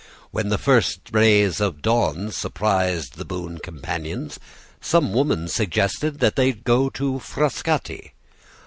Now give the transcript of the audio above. When the first rays of dawn surprised the boon companions, some woman suggested that they go to Frascati.